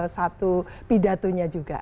satu pidatunya juga